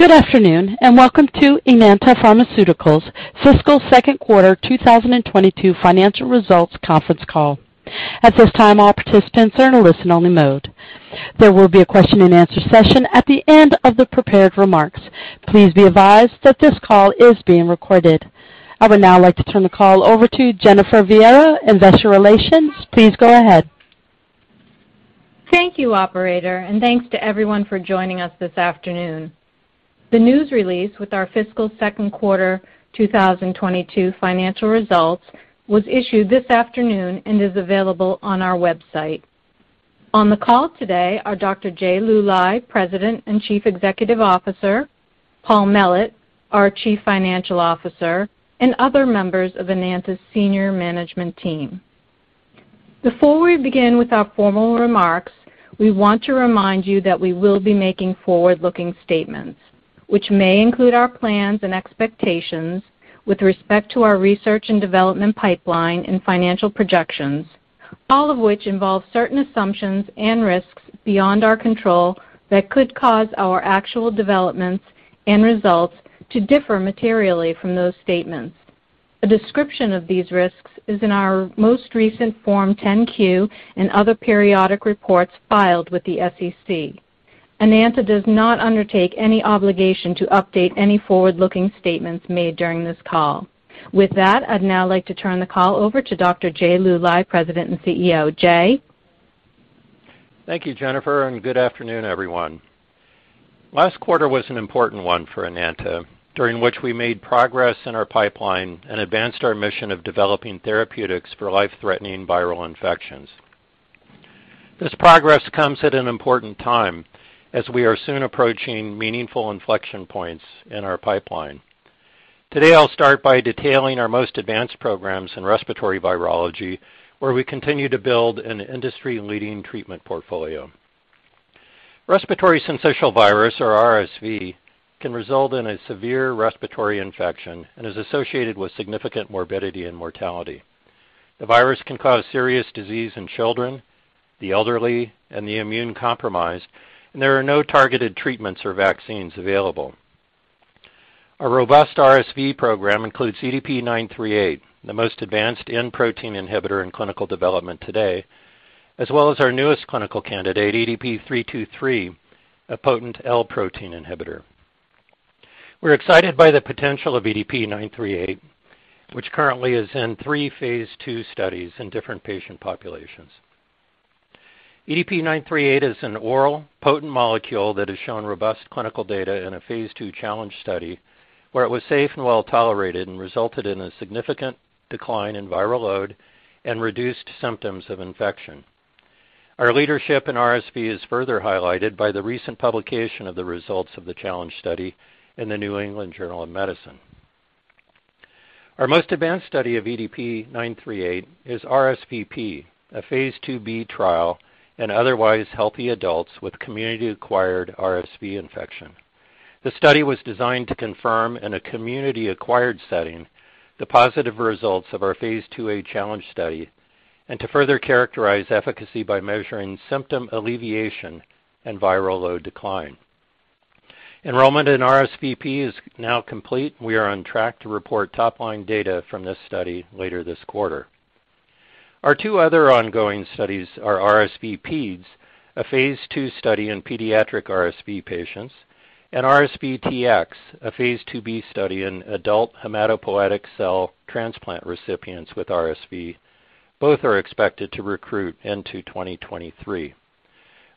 Good afternoon, and welcome to Enanta Pharmaceuticals Fiscal Second Quarter 2022 financial results conference call. At this time, all participants are in a listen-only mode. There will be a question-and-answer session at the end of the prepared remarks. Please be advised that this call is being recorded. I would now like to turn the call over to Jennifer Viera, Investor Relations. Please go ahead. Thank you, operator, and thanks to everyone for joining us this afternoon. The news release with our fiscal second quarter 2022 financial results was issued this afternoon and is available on our website. On the call today are Dr. Jay R. Luly, President and Chief Executive Officer, Paul Mellett, our Chief Financial Officer, and other members of Enanta's senior management team. Before we begin with our formal remarks, we want to remind you that we will be making forward-looking statements which may include our plans and expectations with respect to our research and development pipeline and financial projections, all of which involve certain assumptions and risks beyond our control that could cause our actual developments and results to differ materially from those statements. A description of these risks is in our most recent Form 10-Q and other periodic reports filed with the SEC. Enanta does not undertake any obligation to update any forward-looking statements made during this call. With that, I'd now like to turn the call over to Dr. Jay R. Luly, President and CEO. Jay? Thank you, Jennifer, and good afternoon, everyone. Last quarter was an important one for Enanta, during which we made progress in our pipeline and advanced our mission of developing therapeutics for life-threatening viral infections. This progress comes at an important time as we are soon approaching meaningful inflection points in our pipeline. Today, I'll start by detailing our most advanced programs in respiratory virology, where we continue to build an industry-leading treatment portfolio. Respiratory syncytial virus, or RSV, can result in a severe respiratory infection and is associated with significant morbidity and mortality. The virus can cause serious disease in children, the elderly, and the immune-compromised, and there are no targeted treatments or vaccines available. Our robust RSV program includes EDP-938, the most advanced N-protein inhibitor in clinical development today, as well as our newest clinical candidate, EDP-323, a potent L-protein inhibitor. We're excited by the potential of EDP-938, which currently is in three phase II studies in different patient populations. EDP-938 is an oral potent molecule that has shown robust clinical data in a phase II challenge study, where it was safe and well-tolerated and resulted in a significant decline in viral load and reduced symptoms of infection. Our leadership in RSV is further highlighted by the recent publication of the results of the challenge study in the New England Journal of Medicine. Our most advanced study of EDP-938 is RSVP, a phase II-b trial in otherwise healthy adults with community-acquired RSV infection. The study was designed to confirm in a community-acquired setting the positive results of our phase II-a challenge study and to further characterize efficacy by measuring symptom alleviation and viral load decline. Enrollment in RSVP is now complete. We are on track to report top-line data from this study later this quarter. Our two other ongoing studies are RSVPeds, a phase II study in pediatric RSV patients, and RSVTx, a phase II-b study in adult hematopoietic cell transplant recipients with RSV. Both are expected to recruit into 2023.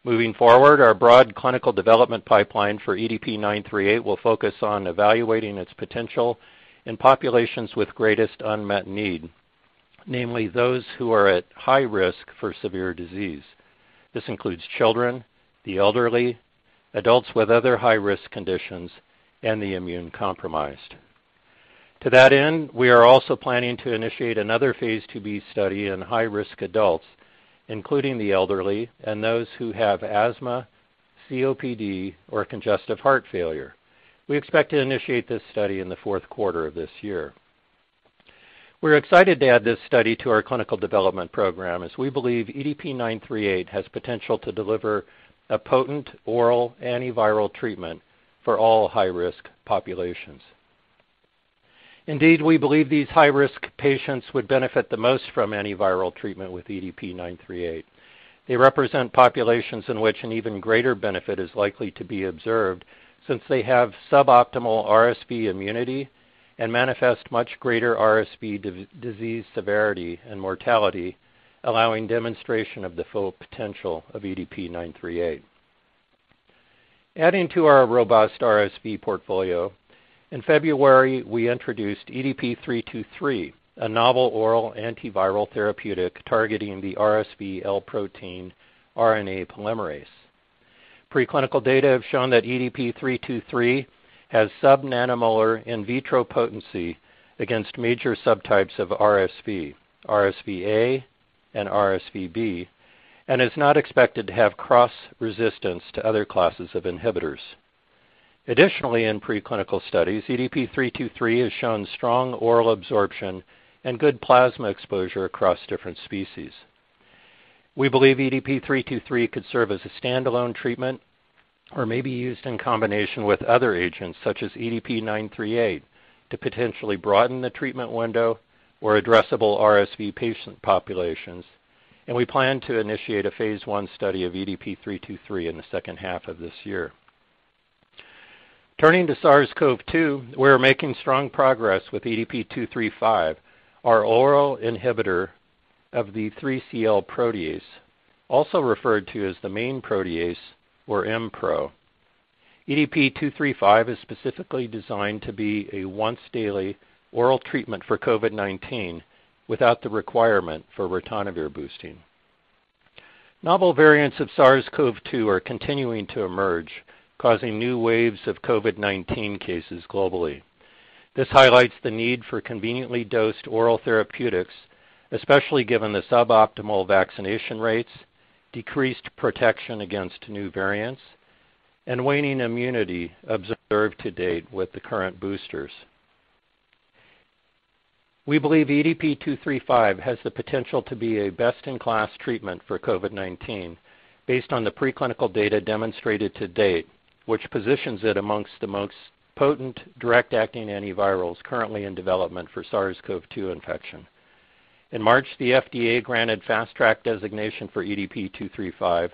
Moving forward, our broad clinical development pipeline for EDP-938 will focus on evaluating its potential in populations with greatest unmet need, namely those who are at high risk for severe disease. This includes children, the elderly, adults with other high-risk conditions, and the immune-compromised. To that end, we are also planning to initiate another phase II-b study in high-risk adults, including the elderly and those who have asthma, COPD, or congestive heart failure. We expect to initiate this study in the fourth quarter of this year. We're excited to add this study to our clinical development program, as we believe EDP-938 has potential to deliver a potent oral antiviral treatment for all high-risk populations. Indeed, we believe these high-risk patients would benefit the most from antiviral treatment with EDP-938. They represent populations in which an even greater benefit is likely to be observed since they have suboptimal RSV immunity and manifest much greater RSV disease severity and mortality, allowing demonstration of the full potential of EDP-938. Adding to our robust RSV portfolio, in February, we introduced EDP-323, a novel oral antiviral therapeutic targeting the RSV L protein RNA polymerase. Preclinical data have shown that EDP-323 has sub-nanomolar in vitro potency against major subtypes of RSV, RSVA and RSVB, and is not expected to have cross-resistance to other classes of inhibitors. Additionally, in preclinical studies, EDP-323 has shown strong oral absorption and good plasma exposure across different species. We believe EDP-323 could serve as a standalone treatment or may be used in combination with other agents such as EDP-938 to potentially broaden the treatment window or addressable RSV patient populations. We plan to initiate a phase one study of EDP-323 in the second half of this year. Turning to SARS-CoV-2, we're making strong progress with EDP-235, our oral inhibitor of the 3CL protease, also referred to as the main protease or Mpro. EDP-235 is specifically designed to be a once daily oral treatment for COVID-19 without the requirement for ritonavir boosting. Novel variants of SARS-CoV-2 are continuing to emerge, causing new waves of COVID-19 cases globally. This highlights the need for conveniently dosed oral therapeutics, especially given the suboptimal vaccination rates, decreased protection against new variants, and waning immunity observed to date with the current boosters. We believe EDP-235 has the potential to be a best in class treatment for COVID-19 based on the preclinical data demonstrated to date, which positions it amongst the most potent direct acting antivirals currently in development for SARS-CoV-2 infection. In March, the FDA granted Fast Track designation for EDP-235,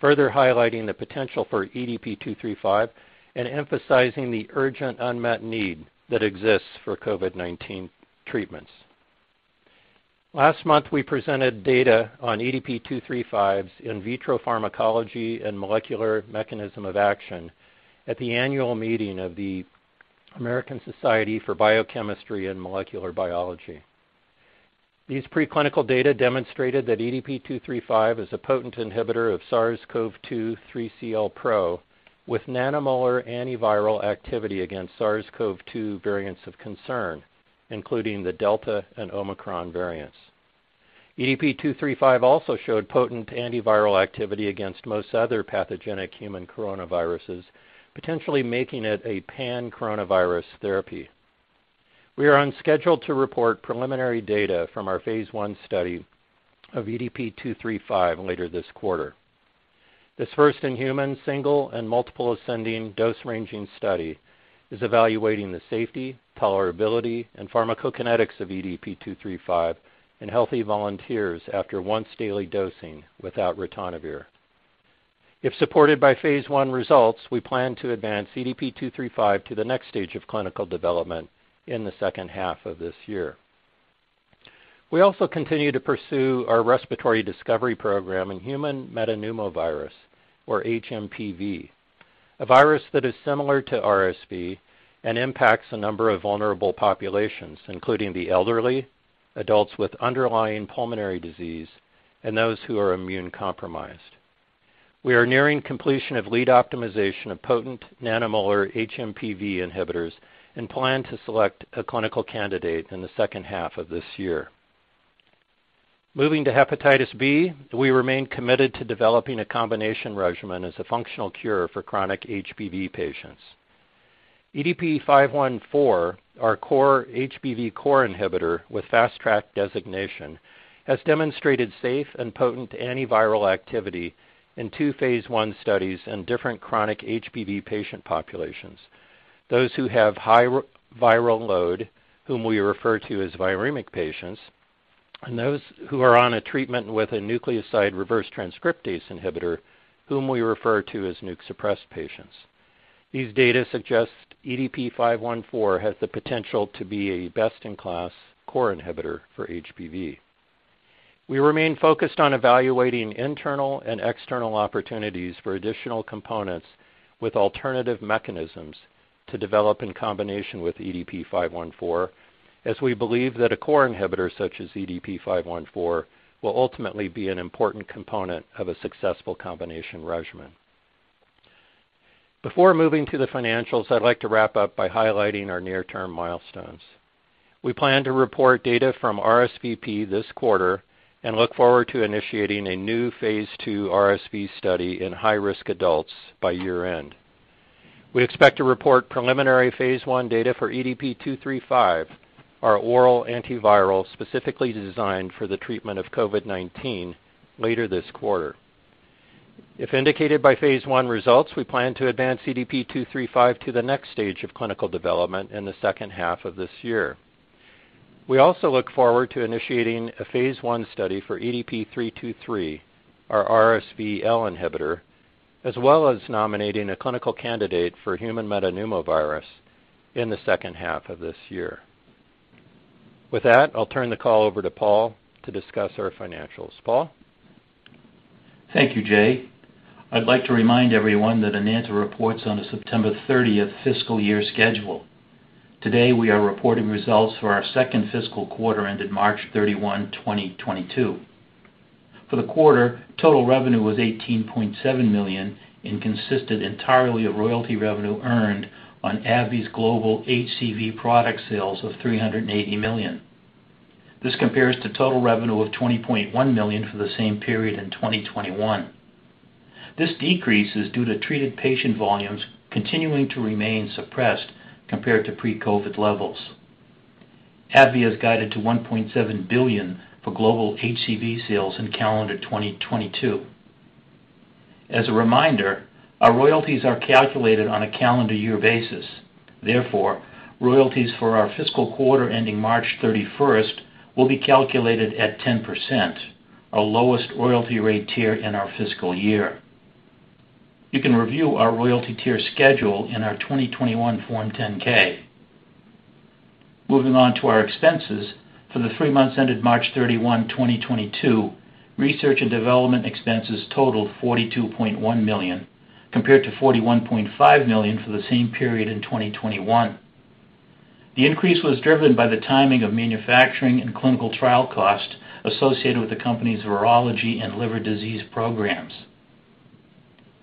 further highlighting the potential for EDP-235 and emphasizing the urgent unmet need that exists for COVID-19 treatments. Last month, we presented data on EDP-235's in vitro pharmacology and molecular mechanism of action at the annual meeting of the American Society for Biochemistry and Molecular Biology. These preclinical data demonstrated that EDP-235 is a potent inhibitor of SARS-CoV-2 3CL protease with nanomolar antiviral activity against SARS-CoV-2 variants of concern, including the Delta and Omicron variants. EDP-235 also showed potent antiviral activity against most other pathogenic human coronaviruses, potentially making it a pan-coronavirus therapy. We are on schedule to report preliminary data from our phase I study of EDP-235 later this quarter. This first-in-human single- and multiple-ascending-dose-ranging study is evaluating the safety, tolerability, and pharmacokinetics of EDP-235 in healthy volunteers after once-daily dosing without ritonavir. If supported by phase I results, we plan to advance EDP-235 to the next stage of clinical development in the second half of this year. We also continue to pursue our respiratory discovery program in human metapneumovirus, or HMPV, a virus that is similar to RSV and impacts a number of vulnerable populations, including the elderly, adults with underlying pulmonary disease, and those who are immunocompromised. We are nearing completion of lead optimization of potent nanomolar HMPV inhibitors and plan to select a clinical candidate in the second half of this year. Moving to hepatitis B, we remain committed to developing a combination regimen as a functional cure for chronic HBV patients. EDP-514, our HBV core inhibitor with Fast Track designation, has demonstrated safe and potent antiviral activity in two phase I studies in different chronic HBV patient populations. Those who have high viral load, whom we refer to as viremic patients, and those who are on a treatment with a nucleoside reverse transcriptase inhibitor, whom we refer to as nuke suppressed patients. These data suggest EDP-514 has the potential to be a best in class core inhibitor for HBV. We remain focused on evaluating internal and external opportunities for additional components with alternative mechanisms to develop in combination with EDP-514, as we believe that a core inhibitor such as EDP-514 will ultimately be an important component of a successful combination regimen. Before moving to the financials, I'd like to wrap up by highlighting our near-term milestones. We plan to report data from RSVP this quarter and look forward to initiating a new phase II RSV study in high-risk adults by year-end. We expect to report preliminary phase I data for EDP-235, our oral antiviral specifically designed for the treatment of COVID-19, later this quarter. If indicated by phase I results, we plan to advance EDP-235 to the next stage of clinical development in the second half of this year. We also look forward to initiating a phase I study for EDP-323, our RSV L inhibitor, as well as nominating a clinical candidate for human metapneumovirus in the second half of this year. With that, I'll turn the call over to Paul to discuss our financials. Paul? Thank you, Jay. I'd like to remind everyone that Enanta reports on a September 30th fiscal year schedule. Today, we are reporting results for our second fiscal quarter ended March 31, 2022. For the quarter, total revenue was $18.7 million and consisted entirely of royalty revenue earned on AbbVie's global HCV product sales of $380 million. This compares to total revenue of $20.1 million for the same period in 2021. This decrease is due to treated patient volumes continuing to remain suppressed compared to pre-COVID levels. AbbVie has guided to $1.7 billion for global HCV sales in calendar 2022. As a reminder, our royalties are calculated on a calendar year basis. Therefore, royalties for our fiscal quarter ending March 31st will be calculated at 10%, our lowest royalty rate tier in our fiscal year. You can review our royalty tier schedule in our 2021 Form 10-K. Moving on to our expenses, for the three months ended March 31, 2022, research and development expenses totaled $42.1 million, compared to $41.5 million for the same period in 2021. The increase was driven by the timing of manufacturing and clinical trial costs associated with the company's virology and liver disease programs.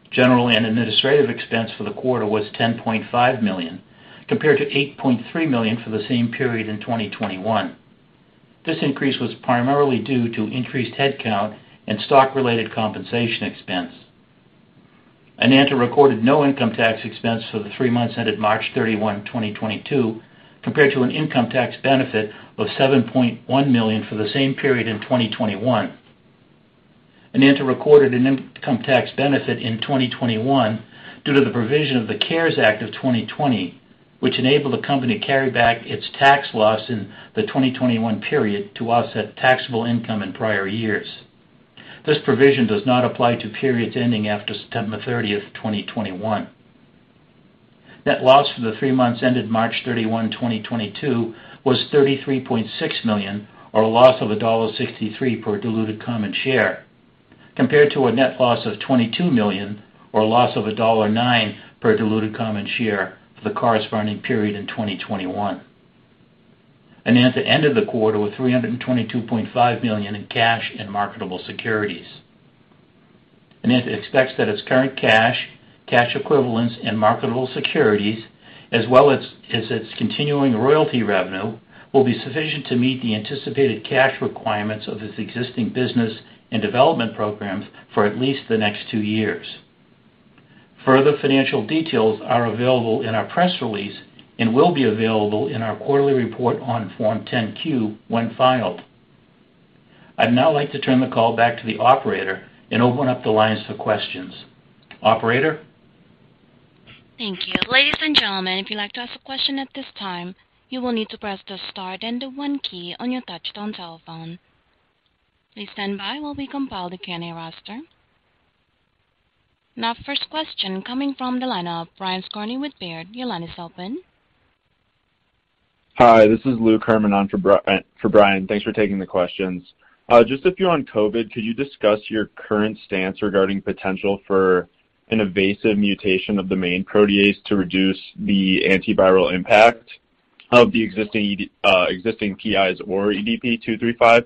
General and administrative expense for the quarter was $10.5 million, compared to $8.3 million for the same period in 2021. This increase was primarily due to increased headcount and stock-related compensation expense. Enanta recorded no income tax expense for the three months ended March 31, 2022, compared to an income tax benefit of $7.1 million for the same period in 2021. Enanta recorded an income tax benefit in 2021 due to the provision of the CARES Act of 2020, which enabled the company to carry back its tax loss in the 2021 period to offset taxable income in prior years. This provision does not apply to periods ending after September 30th, 2021. Net loss for the three months ended March thirty-one, 2022, was $33.6 million, or a loss of $1.63 per diluted common share, compared to a net loss of $22 million or a loss of $1.09 per diluted common share for the corresponding period in 2021. Enanta ended the quarter with $322.5 million in cash and marketable securities. Enanta expects that its current cash equivalents, and marketable securities, as well as its continuing royalty revenue, will be sufficient to meet the anticipated cash requirements of its existing business and development programs for at least the next two years. Further financial details are available in our press release and will be available in our quarterly report on Form 10-Q when filed. I'd now like to turn the call back to the operator and open up the lines for questions. Operator? Thank you. Ladies and gentlemen, if you'd like to ask a question at this time, you will need to press the star then the one key on your touch-tone telephone. Please stand by while we compile the Q&A roster. Now first question coming from the line of Brian Skorney with Baird. Your line is open. Hi, this is Luke Herrmann on for Brian. Thanks for taking the questions. Just a few on COVID. Could you discuss your current stance regarding potential for an evasive mutation of the main protease to reduce the antiviral impact of the existing PIs or EDP-235?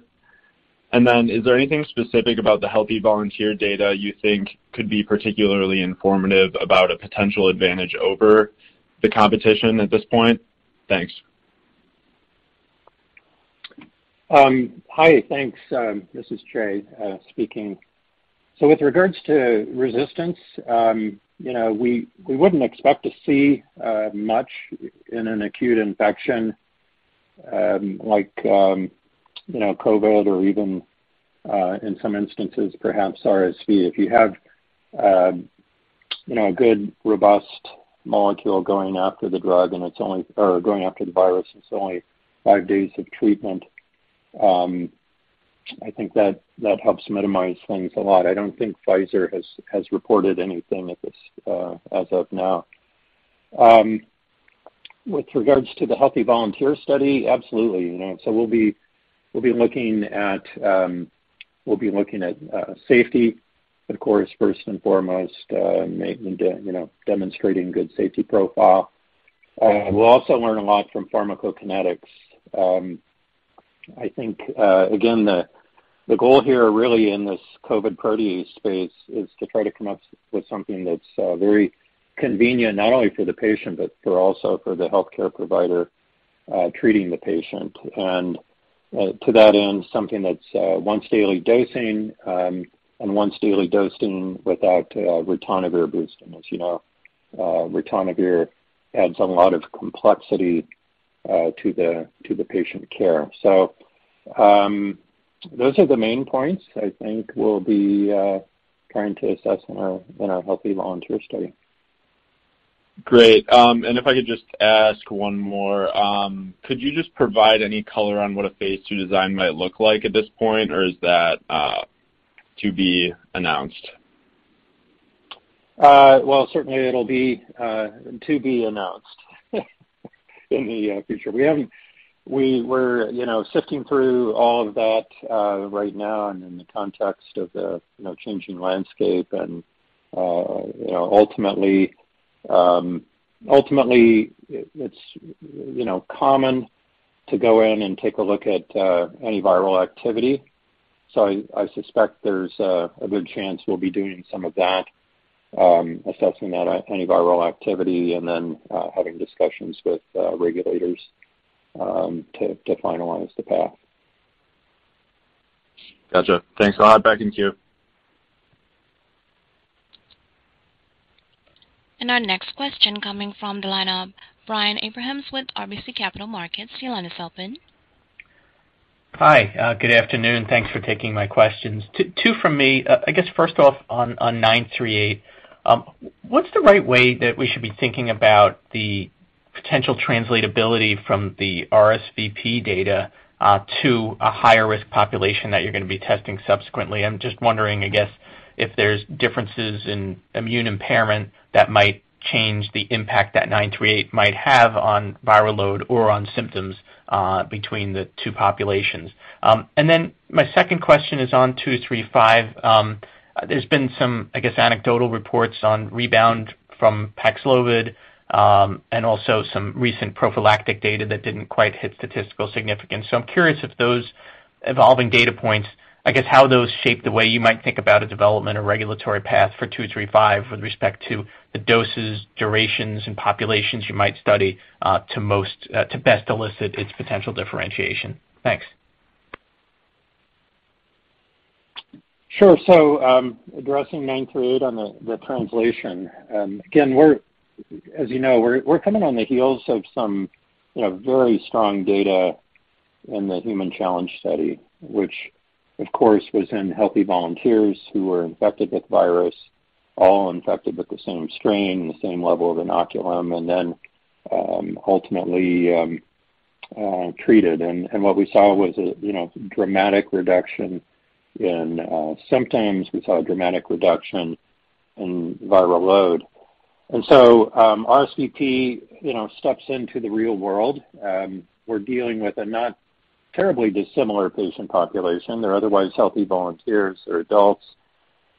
And then is there anything specific about the healthy volunteer data you think could be particularly informative about a potential advantage over the competition at this point? Thanks. Hi. Thanks. This is Jay speaking. With regards to resistance, you know, we wouldn't expect to see much in an acute infection, like, you know, COVID or even in some instances perhaps RSV. If you have, you know, a good robust molecule going after the virus and it's only five days of treatment, I think that helps minimize things a lot. I don't think Pfizer has reported anything at this as of now. With regards to the healthy volunteer study, absolutely, you know. We'll be looking at safety, of course, first and foremost, you know, demonstrating good safety profile. We'll also learn a lot from pharmacokinetics. I think, again, the goal here really in this COVID protease space is to try to come up with something that's very convenient not only for the patient but also for the healthcare provider treating the patient. To that end, something that's once daily dosing, and once daily dosing without ritonavir boosting. As you know, ritonavir adds a lot of complexity to the patient care. Those are the main points I think we'll be trying to assess in our healthy volunteer study. Great. If I could just ask one more. Could you just provide any color on what a phase II design might look like at this point or is that to be announced? Well, certainly it'll be to be announced in the future. We're, you know, sifting through all of that right now and in the context of the, you know, changing landscape and, you know, ultimately it's, you know, common to go in and take a look at any viral activity. I suspect there's a good chance we'll be doing some of that, assessing that antiviral activity and then having discussions with regulators to finalize the path. Gotcha. Thanks a lot. Back in queue. Our next question coming from the line of Brian Abrahams with RBC Capital Markets. Your line is open. Hi, good afternoon. Thanks for taking my questions. Two for me. I guess first off on 938, what's the right way that we should be thinking about the potential translatability from the RSVP data to a higher risk population that you're gonna be testing subsequently? I'm just wondering, I guess, if there's differences in immune impairment that might change the impact that 938 might have on viral load or on symptoms between the two populations. My second question is on 235. There's been some, I guess, anecdotal reports on rebound from Paxlovid, and also some recent prophylactic data that didn't quite hit statistical significance. I'm curious if those evolving data points, I guess, how those shape the way you might think about a development or regulatory path for 235 with respect to the doses, durations, and populations you might study, to best elicit its potential differentiation. Thanks. Sure. Addressing EDP-938 on the translation. Again, as you know, we're coming on the heels of some, you know, very strong data in the human challenge study, which of course was in healthy volunteers who were infected with virus, all infected with the same strain, the same level of inoculum, and then ultimately treated. What we saw was a, you know, dramatic reduction in symptoms. We saw a dramatic reduction in viral load. RSVP, you know, steps into the real world. We're dealing with a not terribly dissimilar patient population. They're otherwise healthy volunteers or adults.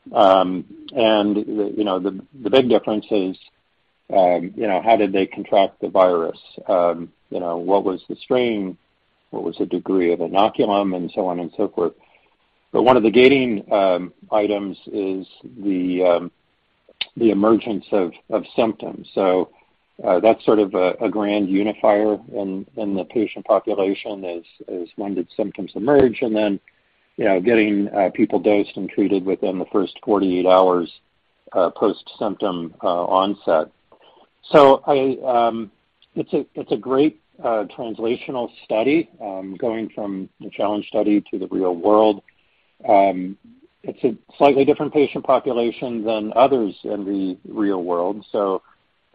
The big difference is, you know, how did they contract the virus? You know, what was the strain? What was the degree of inoculum and so on and so forth. One of the gating items is the emergence of symptoms. That's sort of a grand unifier in the patient population is when did symptoms emerge, and then you know getting people dosed and treated within the first 48 hours post-symptom onset. It's a great translational study going from the challenge study to the real world. It's a slightly different patient population than others in the real world.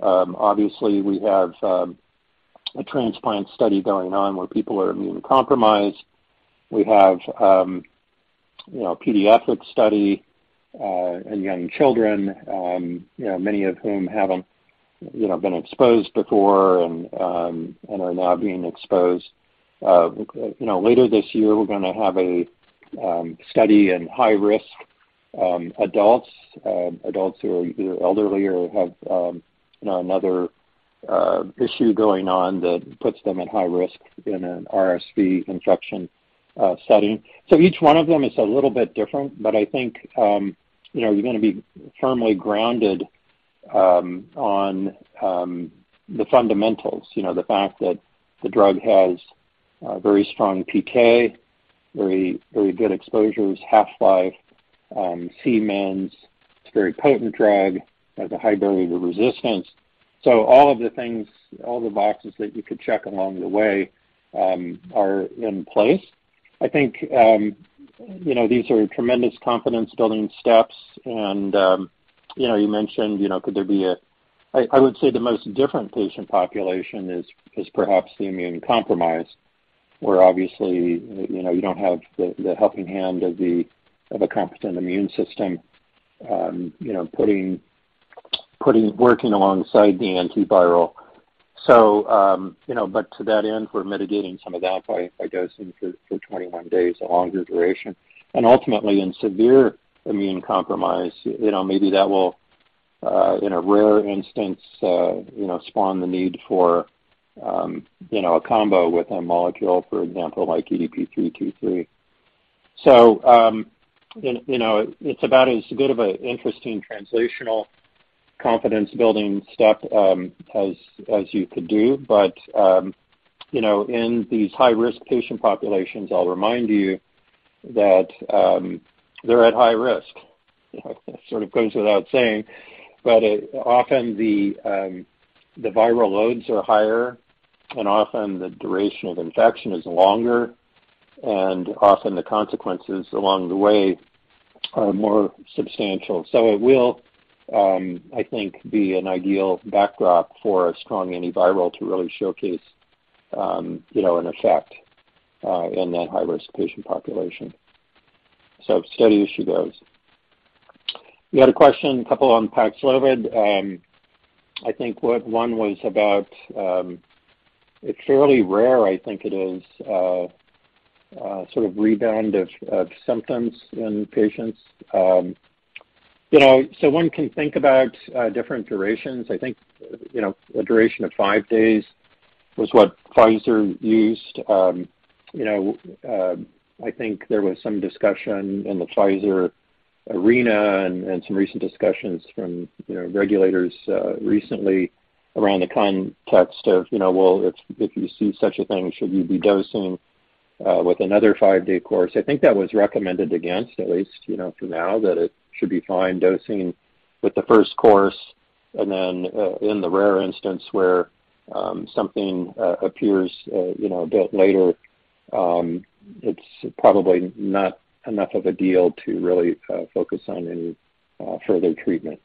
Obviously we have a transplant study going on where people are immunocompromised. We have you know a pediatrics study in young children you know many of whom haven't you know been exposed before and are now being exposed. You know, later this year, we're gonna have a study in high-risk adults who are either elderly or have you know, another issue going on that puts them at high risk in an RSV infection setting. Each one of them is a little bit different, but I think, you know, you're gonna be firmly grounded on the fundamentals. You know, the fact that the drug has a very strong PK, very, very good exposures, half-life, Cmin's. It's a very potent drug. It has a high barrier to resistance. All of the things, all the boxes that you could check along the way, are in place. I think, you know, these are tremendous confidence-building steps and, you know, you mentioned, you know, could there be a. I would say the most different patient population is perhaps the immunocompromised, where obviously you know you don't have the helping hand of a competent immune system you know working alongside the antiviral. To that end, we're mitigating some of that by dosing for 21 days, a longer duration. Ultimately, in severe immune compromise, you know, maybe that will in a rare instance you know spawn the need for a combo with a molecule, for example, like EDP-323. You know, it's about as good of a interesting translational confidence-building step as you could do. You know, in these high-risk patient populations, I'll remind you that they're at high risk. Sort of goes without saying. Often the viral loads are higher, and often the duration of infection is longer, and often the consequences along the way are more substantial. It will, I think, be an ideal backdrop for a strong antiviral to really showcase, you know, an effect in that high-risk patient population. Steady as she goes. You had a question, a couple on Paxlovid. I think what one was about a fairly rare, I think it is, sort of rebound of symptoms in patients. You know, one can think about different durations. I think, you know, a duration of five days was what Pfizer used. I think there was some discussion in the Pfizer arena and some recent discussions from regulators recently around the context of, well, if you see such a thing, should you be dosing with another five-day course. I think that was recommended against, at least, for now, that it should be fine dosing with the first course. In the rare instance where something appears a bit later, it's probably not enough of a deal to really focus on any further treatment.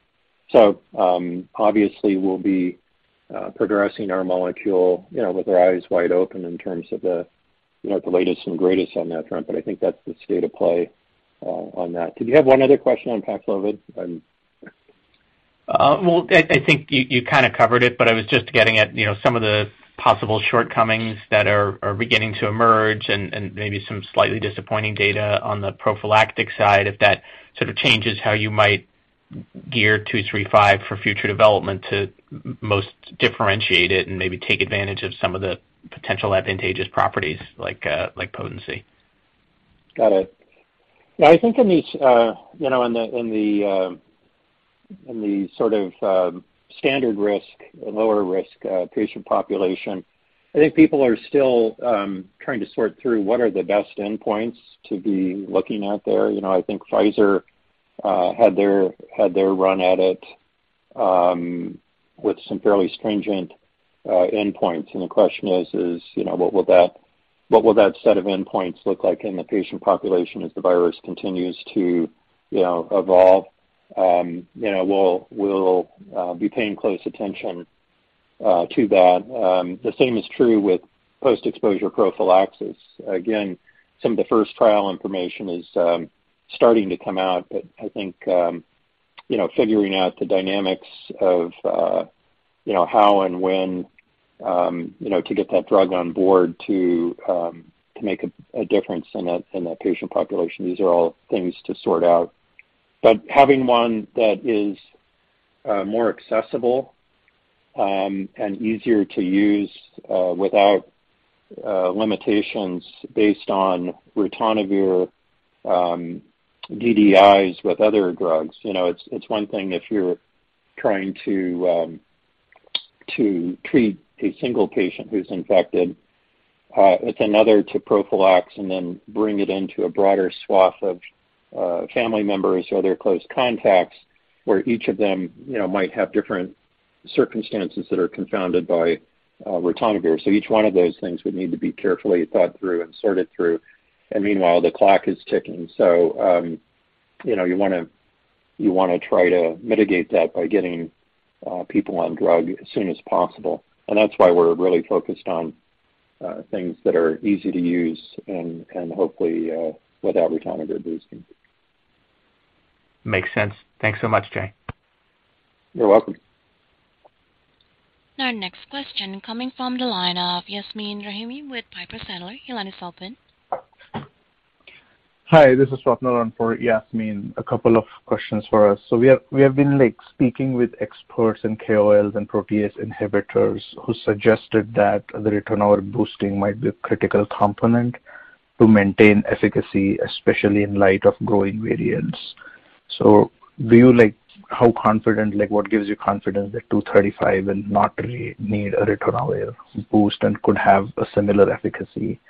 Obviously, we'll be progressing our molecule with our eyes wide open in terms of the latest and greatest on that front, but I think that's the state of play on that. Did you have one other question on Paxlovid? Well, I think you kinda covered it, but I was just getting at, you know, some of the possible shortcomings that are beginning to emerge and maybe some slightly disappointing data on the prophylactic side, if that sort of changes how you might gear EDP-235 for future development to most differentiate it and maybe take advantage of some of the potential advantageous properties, like potency. Got it. Yeah, I think in these, you know, in the sort of standard risk, lower risk patient population, I think people are still trying to sort through what are the best endpoints to be looking at there. You know, I think Pfizer had their run at it with some fairly stringent endpoints. The question is, you know, what will that set of endpoints look like in the patient population as the virus continues to, you know, evolve? You know, we'll be paying close attention to that. The same is true with post-exposure prophylaxis. Again, some of the first trial information is starting to come out, but I think, you know, figuring out the dynamics of, you know, how and when, you know, to get that drug on board to make a difference in that patient population. These are all things to sort out. But having one that is more accessible and easier to use without limitations based on ritonavir, DDIs with other drugs. You know, it's one thing if you're trying to treat a single patient who's infected. It's another to prophylax and then bring it into a broader swath of family members or their close contacts, where each of them, you know, might have different circumstances that are confounded by ritonavir. Each one of those things would need to be carefully thought through and sorted through, and meanwhile, the clock is ticking. You know, you wanna try to mitigate that by getting people on drug as soon as possible. That's why we're really focused on things that are easy to use and hopefully without ritonavir boosting. Makes sense. Thanks so much, Jay. You're welcome. Our next question coming from the line of Yasmeen Rahimi with Piper Sandler. Your line is open. Hi, this is Swapna for Yasmeen. A couple of questions for us. We have been, like, speaking with experts and KOLs and protease inhibitors who suggested that the ritonavir boosting might be a critical component to maintain efficacy, especially in light of growing variants. How confident, like, what gives you confidence that EDP-235 will not require a ritonavir boost and could have a similar efficacy?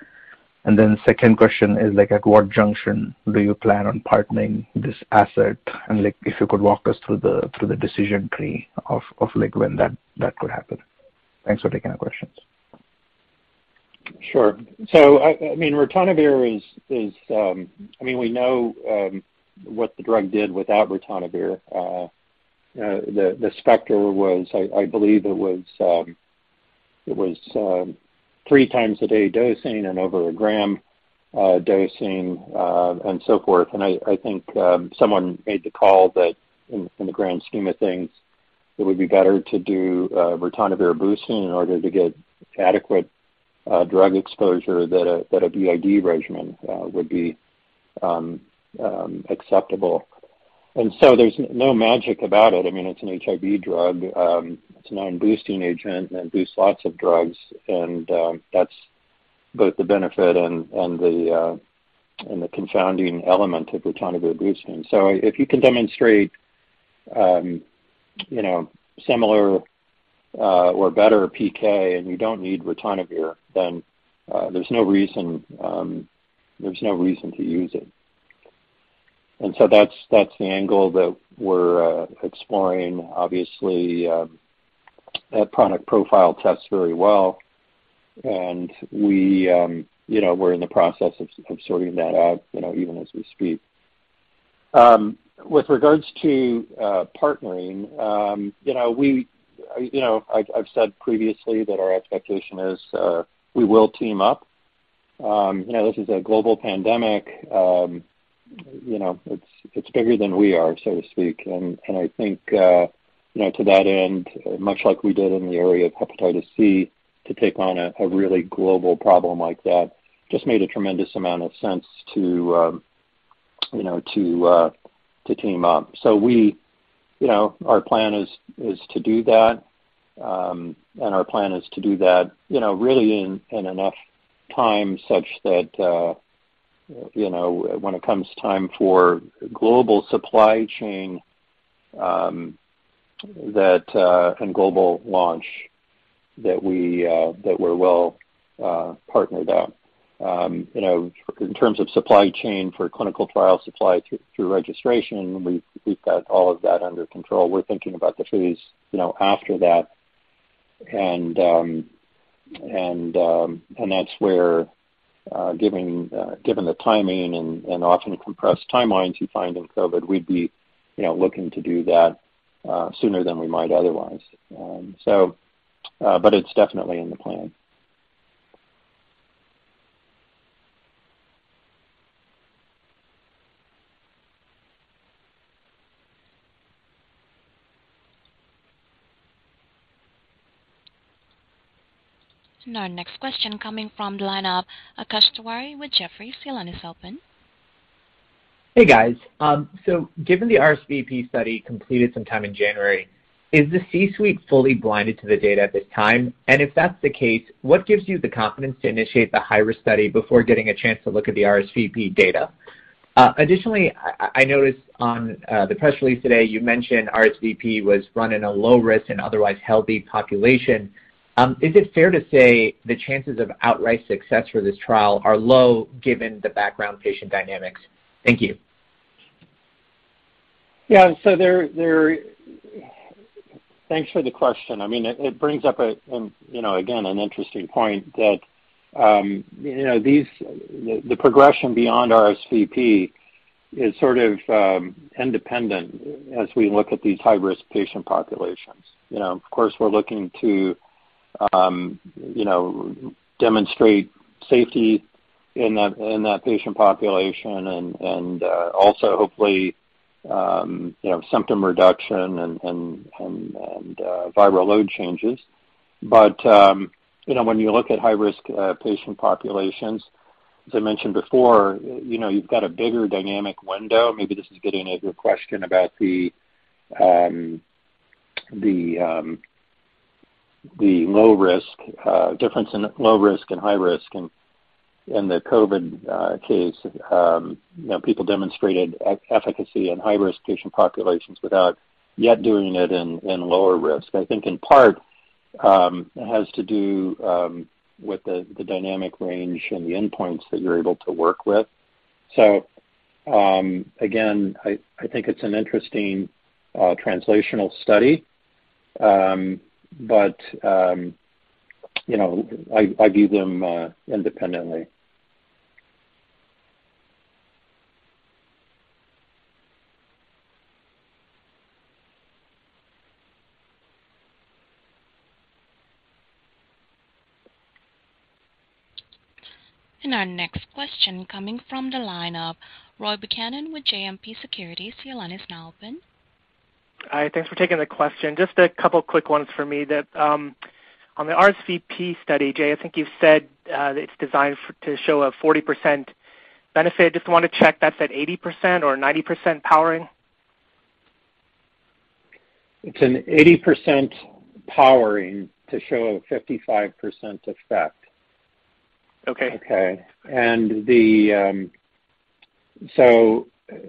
Then second question is, like, at what juncture do you plan on partnering this asset? Like, if you could walk us through the decision tree of, like, when that could happen. Thanks for taking our questions. Sure. I mean, ritonavir is. I mean, we know what the drug did without ritonavir. The spectrum was, I believe it was three times a day dosing and over a gram dosing and so forth. I think someone made the call that in the grand scheme of things, it would be better to do ritonavir boosting in order to get adequate drug exposure than a BID regimen would be acceptable. There's no magic about it. I mean, it's an HIV drug. It's a known boosting agent and boosts lots of drugs, and that's both the benefit and the confounding element of ritonavir boosting. If you can demonstrate, you know, similar or better PK and you don't need ritonavir, then there's no reason to use it. That's the angle that we're exploring. Obviously, that product profile tests very well, and we, you know, we're in the process of sorting that out, you know, even as we speak. With regards to partnering, you know, You know, I've said previously that our expectation is, we will team up. You know, this is a global pandemic. You know, it's bigger than we are, so to speak. I think you know, to that end, much like we did in the area of hepatitis C, to take on a really global problem like that just made a tremendous amount of sense to you know, to team up. We you know, our plan is to do that, and our plan is to do that you know, really in enough time such that you know, when it comes time for global supply chain, that and global launch that we're well partnered up. You know, in terms of supply chain for clinical trial supply through registration, we've got all of that under control. We're thinking about the phase you know, after that. That's where, given the timing and often compressed timelines you find in COVID, we'd be, you know, looking to do that sooner than we might otherwise. But it's definitely in the plan. Our next question coming from the line of Akash Tewari with Jefferies. Your line is open. Hey, guys. So given the RSVP study completed some time in January, is the C-suite fully blinded to the data at this time? If that's the case, what gives you the confidence to initiate the high-risk study before getting a chance to look at the RSVP data? Additionally, I noticed on the press release today you mentioned RSVP was run in a low risk in otherwise healthy population. Is it fair to say the chances of outright success for this trial are low given the background patient dynamics? Thank you. Yeah. Thanks for the question. I mean, it brings up, you know, again, an interesting point that, you know, the progression beyond RSVP is sort of independent as we look at these high-risk patient populations. You know, of course, we're looking to, you know, demonstrate safety in that patient population and also hopefully, you know, symptom reduction and viral load changes. You know, when you look at high-risk patient populations, as I mentioned before, you know, you've got a bigger dynamic window. Maybe this is getting at your question about the low risk difference in low risk and high risk in the COVID case. You know, people demonstrated efficacy in high-risk patient populations without yet doing it in lower risk. I think in part has to do with the dynamic range and the endpoints that you're able to work with. Again, I think it's an interesting translational study. You know, I view them independently. Our next question coming from the line of Roy Buchanan with JMP Securities. Your line is now open. Hi. Thanks for taking the question. Just a couple quick ones for me that, on the RSVP study, Jay, I think you said, it's designed to show a 40% benefit. I just wanna check that's at 80% or 90% powering. It's an 80% powered to show a 55% effect. Okay.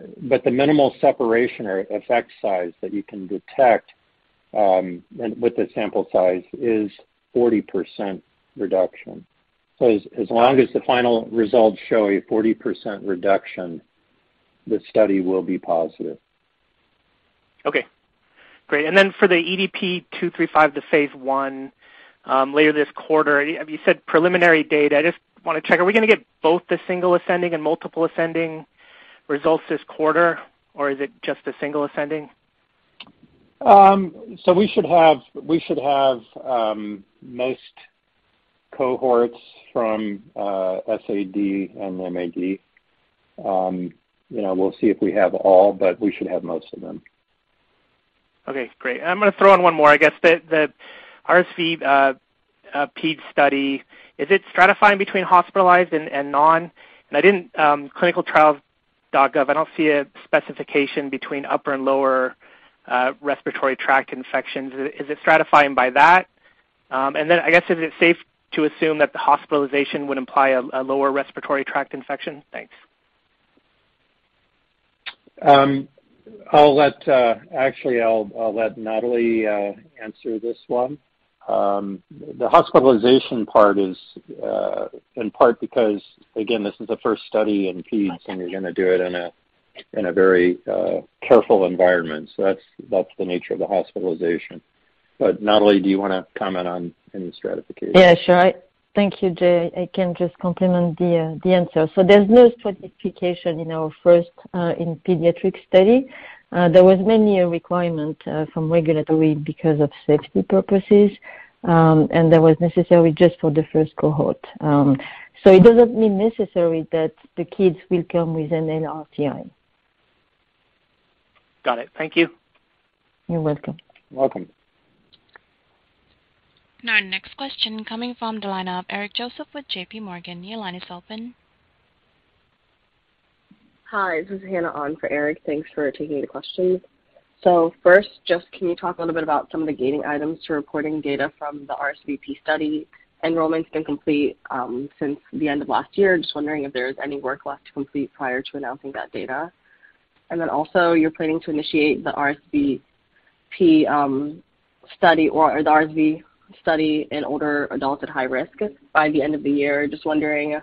The minimal separation or effect size that you can detect and with the sample size is 40% reduction. As long as the final results show a 40% reduction, the study will be positive. Okay, great. For the EDP-235, the phase I, later this quarter, you said preliminary data. I just wanna check, are we gonna get both the single ascending and multiple ascending results this quarter, or is it just the single ascending? We should have most cohorts from SAD and MAD. You know, we'll see if we have all, but we should have most of them. Okay, great. I'm gonna throw in one more, I guess. The RSV ped study, is it stratifying between hospitalized and non? I didn't ClinicalTrials.gov, I don't see a specification between upper and lower respiratory tract infections. Is it stratifying by that? Then I guess is it safe to assume that the hospitalization would imply a lower respiratory tract infection? Thanks. I'll let Nathalie answer this one. The hospitalization part is in part because, again, this is the first study in peds, and you're gonna do it in a very careful environment. That's the nature of the hospitalization. Nathalie, do you wanna comment on any stratification? Yeah, sure. Thank you, Jay. I can just complement the answer. There's no stratification in our first in pediatric study. There was mainly a requirement from regulatory because of safety purposes, and that was necessary just for the first cohort. It doesn't mean necessary that the kids will come with an LRTI. Got it. Thank you. You're welcome. Welcome. Our next question coming from the line of Eric Joseph with J.P. Morgan. Your line is open. Hi, this is Hannah on for Eric Joseph. Thanks for taking the questions. First, just can you talk a little bit about some of the gating items to reporting data from the RSVP study enrollments been complete since the end of last year? I'm just wondering if there's any work left to complete prior to announcing that data. You're planning to initiate the RSVP study or the RSV study in older adults at high risk by the end of the year. Just wondering,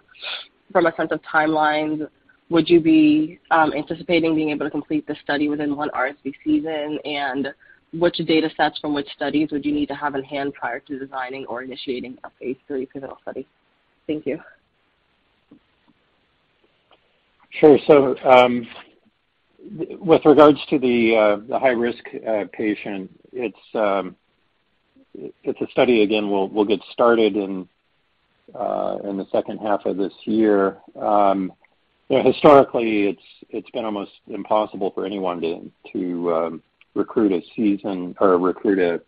from a sense of timelines, would you be anticipating being able to complete the study within one RSV season? Which data sets from which studies would you need to have in-hand prior to designing or initiating a phase III pivotal study? Thank you. Sure. With regards to the high-risk patient, it's a study again. We'll get started in the second half of this year. You know, historically, it's been almost impossible for anyone to recruit a season or recruit a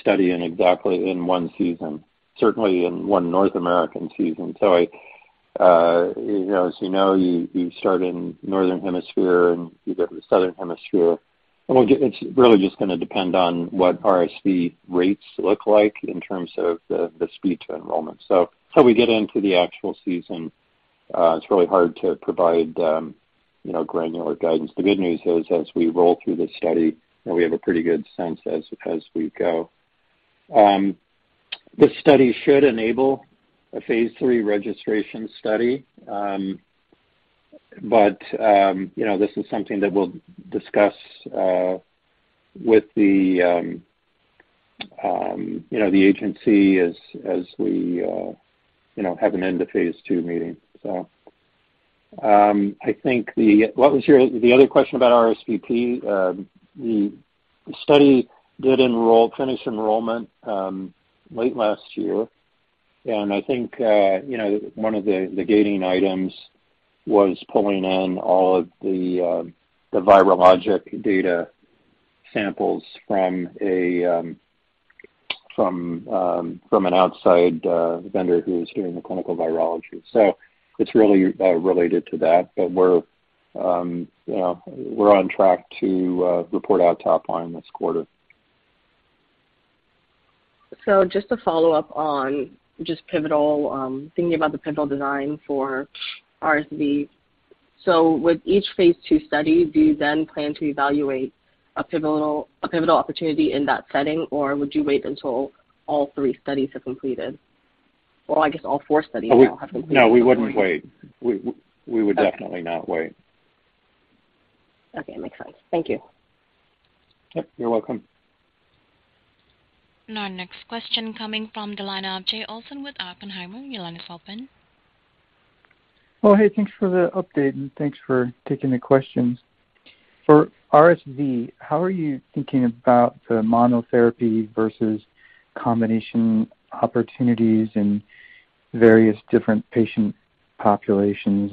study in exactly one season, certainly in one North American season. You know, as you know, you start in Northern Hemisphere, and you go to the Southern Hemisphere. It's really just gonna depend on what RSV rates look like in terms of the speed to enrollment. Till we get into the actual season, it's really hard to provide you know, granular guidance. The good news is, as we roll through the study, and we have a pretty good sense as we go. This study should enable a phase III registration study. You know, this is something that we'll discuss with the agency as we have an end of phase II meeting. I think the other question about RSVP, the study did finish enrollment late last year. I think one of the gating items was pulling in all of the virologic data samples from an outside vendor who is doing the clinical virology. It's really related to that. We're on track to report our top line this quarter. Just to follow up on the pivotal, thinking about the pivotal design for RSV. Would each phase II study, do you then plan to evaluate a pivotal opportunity in that setting, or would you wait until all three studies have completed? Well, I guess all four studies now have completed. No, we wouldn't wait. We would definitely. Okay. Not wait. Okay. Makes sense. Thank you. Yep, you're welcome. Our next question coming from the line of Jay Olson with Oppenheimer & Co. Your line is open. Oh, hey, thanks for the update, and thanks for taking the questions. For RSV, how are you thinking about the monotherapy versus combination opportunities in various different patient populations?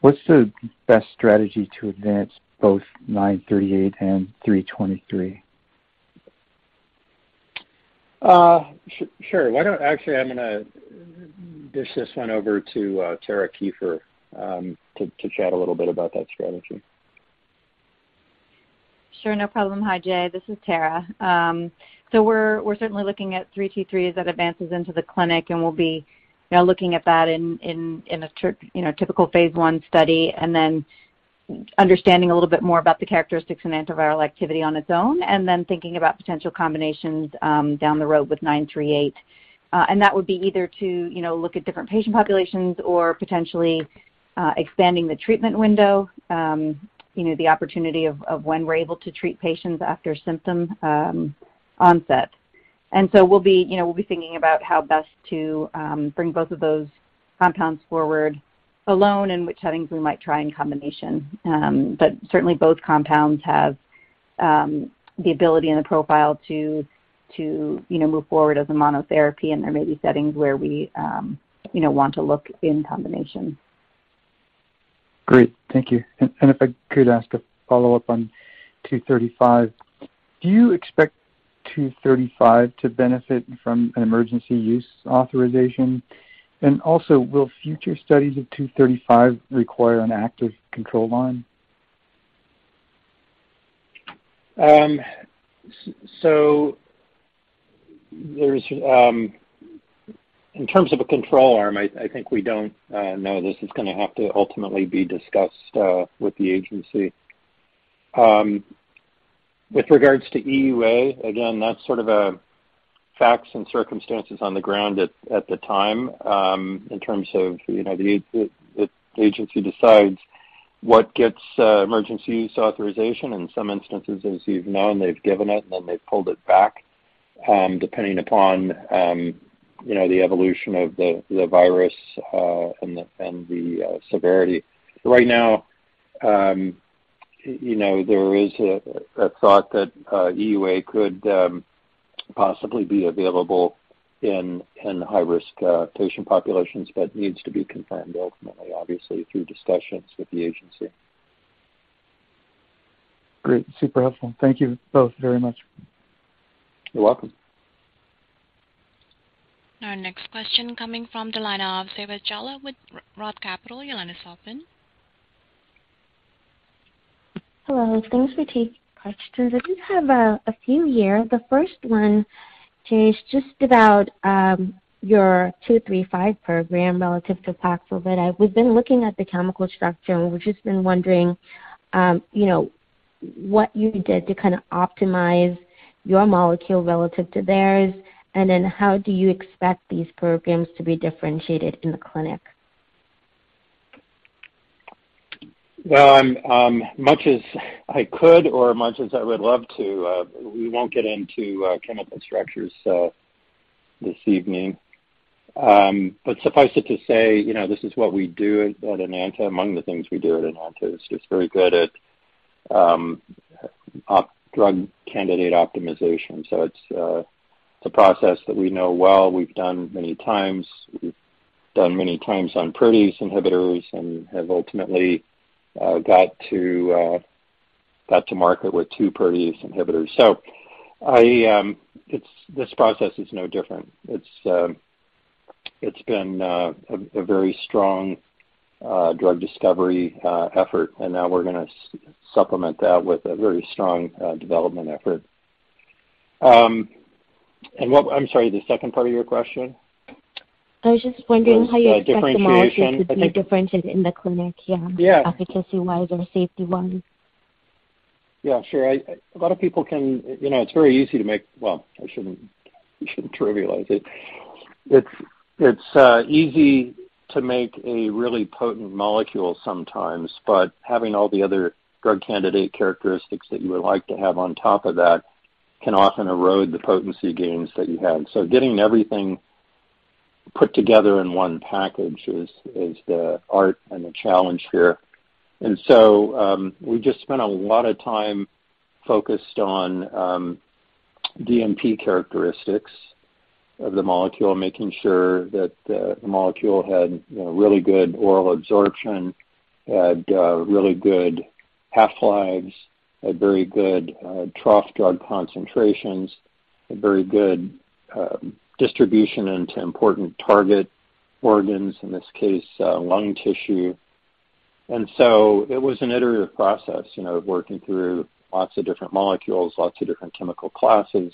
What's the best strategy to advance both EDP-938 and EDP-323? Sure. Actually, I'm gonna dish this one over to Tara Kieffer to chat a little bit about that strategy. Sure. No problem. Hi, Jay. This is Tara. So we're certainly looking at EDP-323 that advances into the clinic, and we'll be, you know, looking at that in a typical phase I study and then understanding a little bit more about the characteristics and antiviral activity on its own and then thinking about potential combinations down the road with EDP-938. That would be either to, you know, look at different patient populations or potentially expanding the treatment window, you know, the opportunity of when we're able to treat patients after symptom onset. We'll be, you know, thinking about how best to bring both of those compounds forward alone and which settings we might try in combination. Certainly both compounds have the ability and the profile to you know move forward as a monotherapy, and there may be settings where we you know want to look in combination. Great. Thank you. If I could ask a follow-up on EDP-235. Do you expect EDP-235 to benefit from an emergency use authorization? Also, will future studies of EDP-235 require an active control line? There's, in terms of a control arm, I think we don't know. This is gonna have to ultimately be discussed with the agency. With regards to EUA, again, that's sort of a facts and circumstances on the ground at the time, in terms of, you know, the agency decides what gets emergency use authorization. In some instances, as you've known, they've given it, and then they've pulled it back, depending upon, you know, the evolution of the virus, and the severity. Right now, you know, there is a thought that EUA could possibly be available in high-risk patient populations but needs to be confirmed ultimately, obviously through discussions with the agency. Great. Super helpful. Thank you both very much. You're welcome. Our next question coming from the line of Seva Challa with Roth Capital. Your line is open. Hello. Thanks for taking questions. I do have a few here. The first one, Jay, is just about your EDP-235 program relative to Paxlovid. We've been looking at the chemical structure, and we've just been wondering, you know, what you did to kinda optimize your molecule relative to theirs. Then how do you expect these programs to be differentiated in the clinic? Well, much as I could or much as I would love to, we won't get into chemical structures this evening. Suffice it to say, you know, this is what we do at Enanta. Among the things we do at Enanta is just very good at drug candidate optimization. It's a process that we know well, we've done many times on protease inhibitors and have ultimately got to market with two protease inhibitors. This process is no different. It's been a very strong drug discovery effort, and now we're gonna supplement that with a very strong development effort. I'm sorry, the second part of your question. I was just wondering how you. Differentiation. Expect the molecules to be different in the clinic. Yeah. Yeah. Efficacy-wise or safety-wise. Yeah, sure. You know, it's very easy to make. Well, I shouldn't, we shouldn't trivialize it. It's easy to make a really potent molecule sometimes, but having all the other drug candidate characteristics that you would like to have on top of that can often erode the potency gains that you had. So getting everything put together in one package is the art and the challenge here. We just spent a lot of time focused on DMPK characteristics of the molecule, making sure that the molecule had, you know, really good oral absorption, had really good half-lives, had very good trough drug concentrations, had very good distribution into important target organs, in this case, lung tissue. It was an iterative process, you know, of working through lots of different molecules, lots of different chemical classes,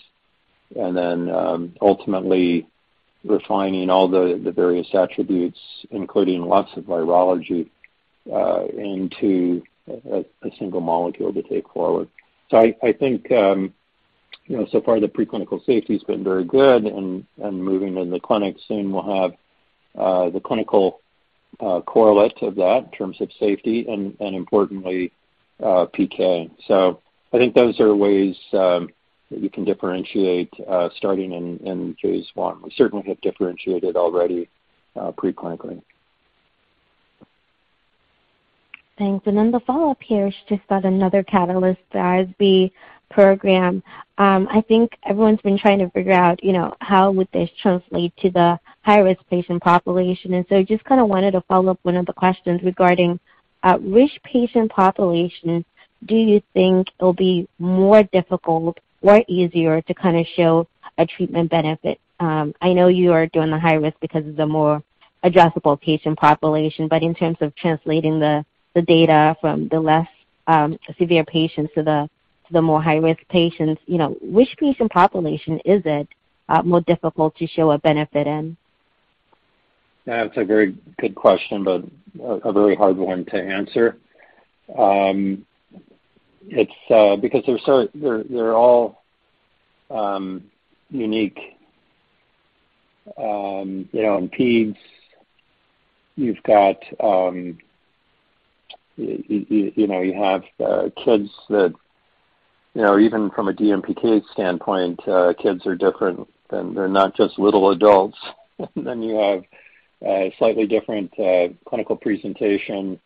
and then ultimately refining all the various attributes, including lots of virology, into a single molecule to take forward. I think, you know, so far the preclinical safety has been very good. Moving into the clinic soon, we'll have the clinical correlate to that in terms of safety and importantly PK. I think those are ways that you can differentiate starting in phase I. We certainly have differentiated already preclinically. Thanks. Then the follow-up here is just about another catalyst, the RSV program. I think everyone's been trying to figure out, you know, how would this translate to the high-risk patient population. I just kinda wanted to follow up one of the questions regarding which patient population do you think it'll be more difficult or easier to kinda show a treatment benefit? I know you are doing the high-risk because of the more addressable patient population, but in terms of translating the data from the less severe patients to the more high-risk patients, you know, which patient population is it more difficult to show a benefit in? That's a very good question, but a very hard one to answer. It's because they're all unique. You know, in peds you've got, you know, you have kids that, you know, even from a DMPK standpoint, kids are different, and they're not just little adults. Then you have a slightly different clinical presentation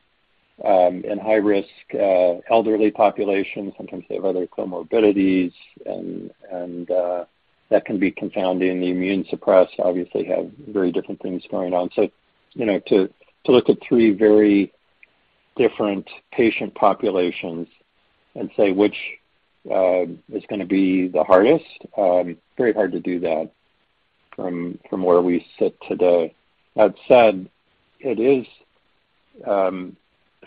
in high-risk elderly populations. Sometimes they have other comorbidities and that can be confounding. The immune-suppressed obviously have very different things going on. You know, to look at three very different patient populations and say which is gonna be the hardest, very hard to do that from where we sit today. That said, it is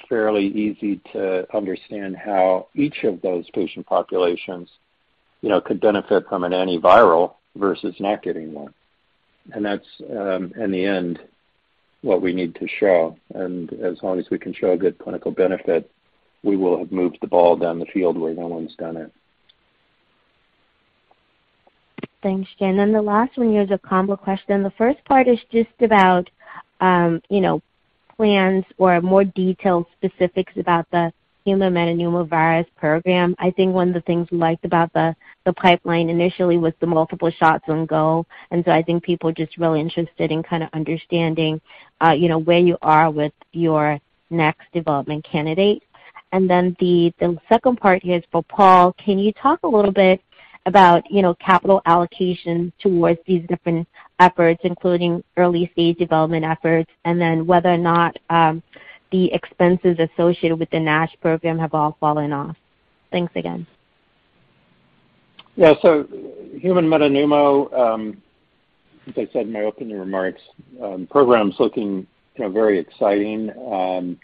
fairly easy to understand how each of those patient populations, you know, could benefit from an antiviral versus not getting one. That's in the end what we need to show. As long as we can show a good clinical benefit, we will have moved the ball down the field where no one's done it. Thanks, Jay. The last one here is a combo question. The first part is just about, you know, plans or more detailed specifics about the human metapneumovirus program. I think one of the things we liked about the pipeline initially was the multiple shots on goal, so I think people are just really interested in kinda understanding, you know, where you are with your next development candidate. The second part here is for Paul. Can you talk a little bit about, you know, capital allocation towards these different efforts, including early-stage development efforts, and then whether or not the expenses associated with the NASH program have all fallen off. Thanks again. Yeah. Human metapneumo, as I said in my opening remarks, program's looking, you know, very exciting. You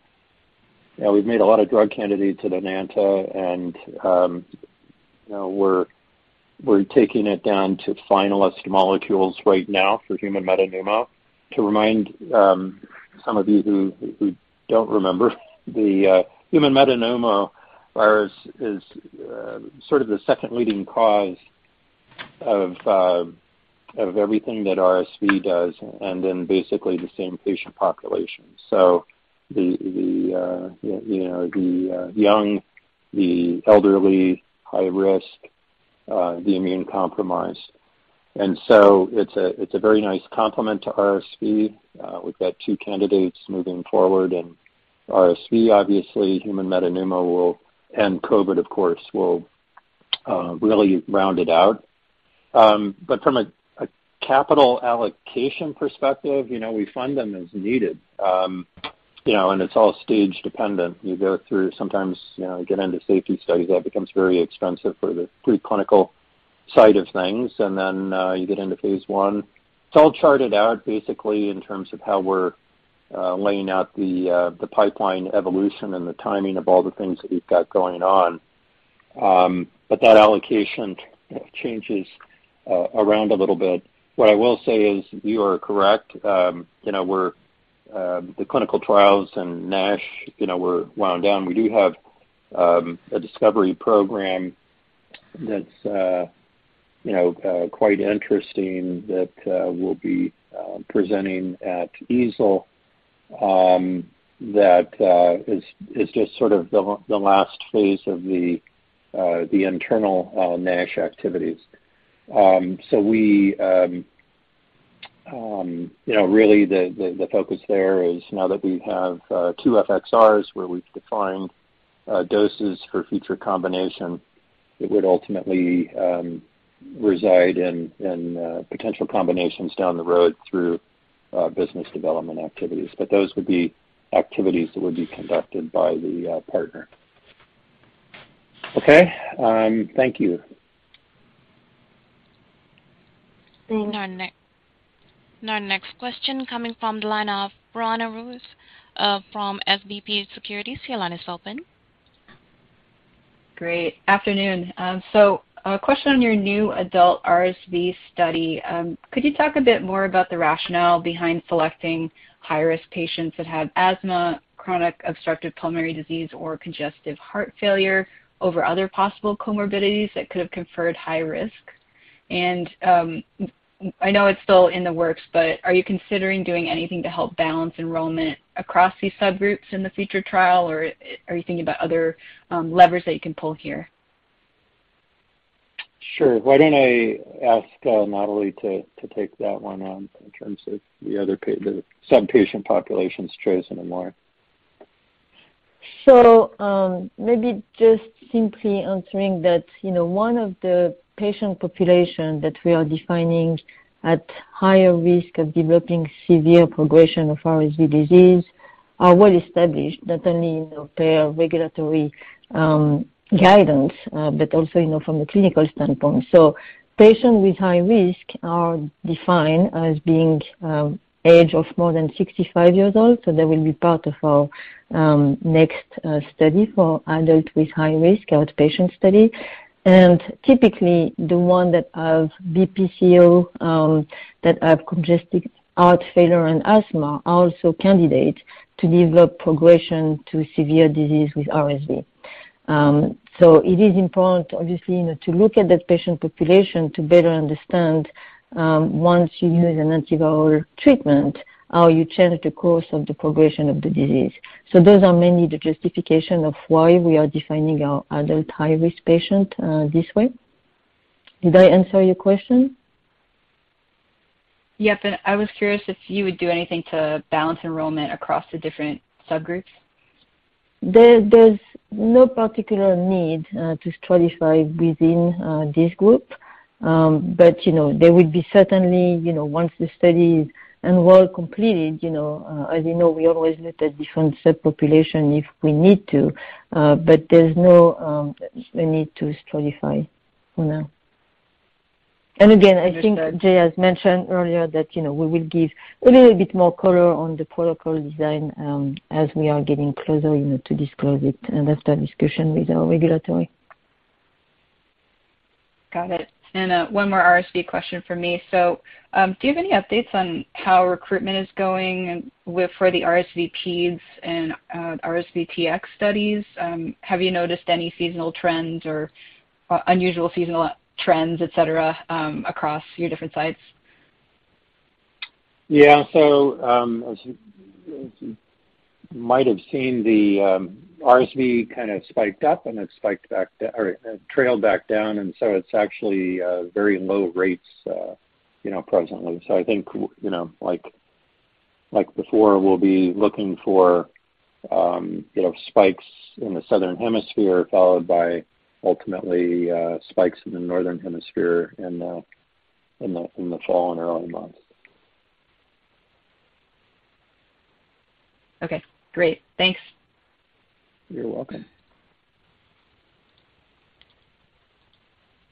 know, we've made a lot of drug candidates at Enanta and, you know, we're taking it down to finalist molecules right now for human metapneumo. To remind, some of you who don't remember, the human metapneumovirus is sort of the second leading cause of everything that RSV does and in basically the same patient population. The young, the elderly, high risk, the immune-compromised. It's a very nice complement to RSV. We've got two candidates moving forward in RSV, obviously. Human metapneumo and COVID, of course, will really round it out. From a capital allocation perspective, you know, we fund them as needed. It's all stage dependent. You go through sometimes, you know, get into safety studies. That becomes very expensive for the preclinical side of things. You get into phase one. It's all charted out basically in terms of how we're laying out the pipeline evolution and the timing of all the things that we've got going on. That allocation changes around a little bit. What I will say is you are correct. You know, we're the clinical trials in NASH, you know, were wound down. We do have a discovery program that's you know quite interesting that we'll be presenting at EASL that is just sort of the last phase of the internal NASH activities. We, you know, really the focus there is now that we have two FXRs where we've defined doses for future combination, it would ultimately reside in potential combinations down the road through business development activities. But those would be activities that would be conducted by the partner. Okay. Thank you. Thanks. Our next question coming from the line of Roanna Ruiz from SVB Securities. Your line is open. Good afternoon. A question on your new adult RSV study. Could you talk a bit more about the rationale behind selecting high-risk patients that have asthma, chronic obstructive pulmonary disease or congestive heart failure over other possible comorbidities that could have conferred high risk? I know it's still in the works, but are you considering doing anything to help balance enrollment across these subgroups in the future trial, or are you thinking about other levers that you can pull here? Sure. Why don't I ask Nathalie to take that one on in terms of the other subpopulation patients chosen and why? Maybe just simply answering that, you know, one of the patient populations that we are defining at higher risk of developing severe progression of RSV disease are well established, not only in FDA regulatory guidance, but also, you know, from a clinical standpoint. Patients with high risk are defined as being age of more than 65 years old, so they will be part of our next study for adults with high risk outpatient study. Typically, the ones that have COPD, that have congestive heart failure and asthma are also candidates to develop progression to severe disease with RSV. It is important obviously, you know, to look at that patient population to better understand, once you use an antiviral treatment, how you change the course of the progression of the disease. Those are mainly the justification of why we are defining our adult high-risk patient, this way. Did I answer your question? Yep. I was curious if you would do anything to balance enrollment across the different subgroups? There's no particular need to stratify within this group. You know, there will be certainly, you know, once the study is enrolled completely, you know, as you know, we always look at different subpopulation if we need to. There's no need to stratify for now. Understood. Again, I think Jay has mentioned earlier that, you know, we will give a little bit more color on the protocol design, as we are getting closer, you know, to disclose it, and that's the discussion with our regulatory. Got it. One more RSV question from me. Do you have any updates on how recruitment is going and with, for the RSV peds and, RSV TX studies? Have you noticed any seasonal trends or unusual seasonal trends, et cetera, across your different sites? Yeah. As you might have seen, the RSV kind of spiked up, and it spiked back or trailed back down, and so it's actually very low rates, you know, presently. I think, you know, like before, we'll be looking for, you know, spikes in the southern hemisphere, followed by ultimately spikes in the northern hemisphere in the fall and early months. Okay. Great. Thanks. You're welcome.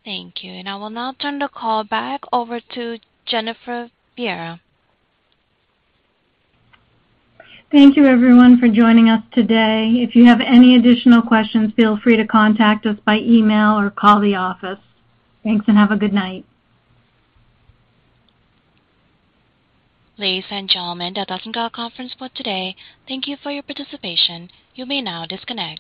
Thank you. I will now turn the call back over to Jennifer Viera. Thank you everyone for joining us today. If you have any additional questions, feel free to contact us by email or call the office. Thanks, and have a good night. Ladies and gentlemen, that does end our conference for today. Thank you for your participation. You may now disconnect.